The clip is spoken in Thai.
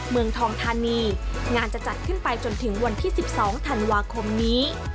เมืองทองธานีงานจะจัดขึ้นไปจนถึงวันที่๑๒ธันวาคมนี้